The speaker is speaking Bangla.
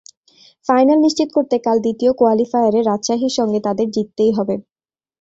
ফাইনাল নিশ্চিত করতে কাল দ্বিতীয় কোয়ালিফায়ারে রাজশাহীর সঙ্গে তাঁদের জিততেই হবে।